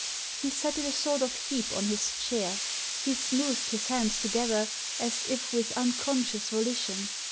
He sat in a sort of heap on his chair. He smoothed his hands together, as if with unconscious volition.